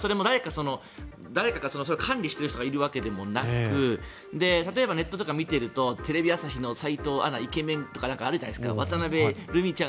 しかも、誰か管理している人がいるわけでもなく例えばネットとかを見ているとテレビ朝日の斎藤アナがイケメンとかあるじゃないですか渡辺瑠海ちゃん